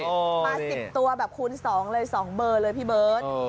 มา๑๐ตัวแบบคูณ๒เลย๒เบอร์เลยพี่เบิร์ต